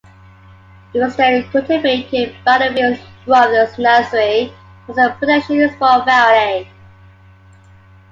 It was then cultivated by the Williams Brothers nursery as a potential export variety.